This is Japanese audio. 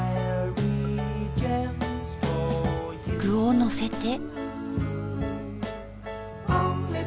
具をのせて。